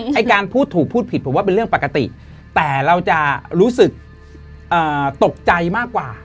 ไอ้การพูดถูกพูดผิดผมว่าเป็นเรื่องปกติแต่เราจะรู้สึกตกใจมากกว่า